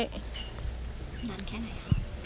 นานแค่ไหนคะ